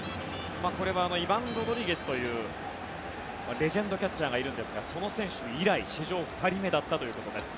これはイバン・ロドリゲスというレジェンドキャッチャーがいるんですがその選手以来史上２人目だったということです。